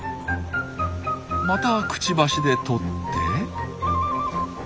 またくちばしでとって。